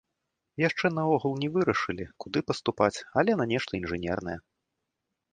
Яшчэ наогул не вырашылі, куды паступаць, але на нешта інжынернае.